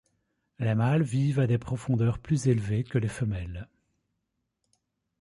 Les mâles vivent à des profondeurs plus élevés que les femelles.